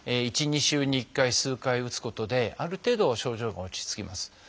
１２週に１回数回打つことである程度は症状が落ち着きます。